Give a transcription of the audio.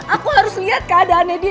aku harus lihat keadaannya dia